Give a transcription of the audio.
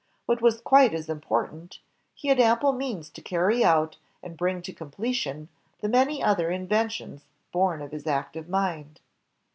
What was quite as important, he had ample means to carry out and bring to completion the many other inventions bom of his active mind.